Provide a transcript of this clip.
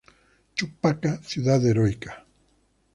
Chupaca "Ciudad Heroica".